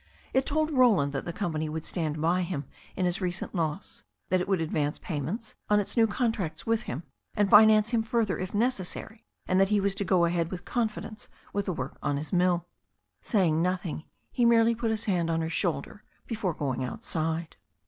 It told Roland that the company would stand by him in his recent loss, that it would advance payments on its new contracts with him, and finance him further, if necessary, and that he was to go ahead with confidence with the work on his mill. Saying nothing, he merely put his hand on her shoulder before going outside.